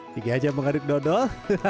tiga jam menghaduk dodol